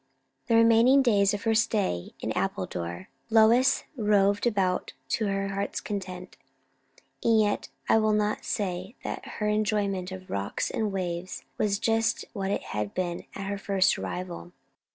The remaining days of her stay in Appledore Lois roved about to her heart's content. And yet I will not say that her enjoyment of rocks and waves was just what it had been at her first arrival.